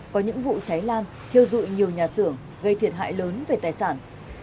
có những vụ cháy lan thiêu dụi nhiều nhà xưởng gây thiệt hại lớn về tài sản